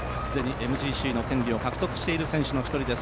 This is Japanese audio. ＭＧＣの権利を獲得している選手の一人です。